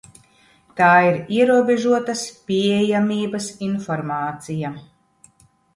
Tā ir ierobežotas pieejamības informācija.